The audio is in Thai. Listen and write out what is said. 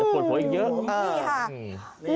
ปวดหัวอีกเยอะอ้าวนี่ค่ะ